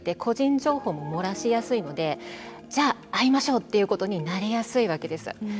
仲よくなりやすくて個人情報も漏らしやすいのでじゃあ、会いましょうということになりやすいわけです。